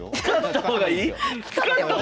使った方がいいか！